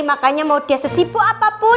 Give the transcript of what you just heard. makanya mau dia sesipu apapun